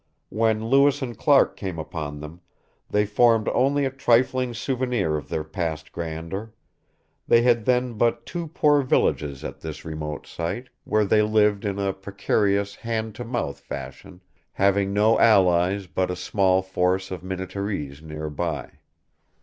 When Lewis and Clark came upon them, they formed only a trifling souvenir of their past grandeur; they had then but two poor villages at this remote site, where they lived in a precarious hand to mouth fashion, having no allies but a small force of Minnetarees near by.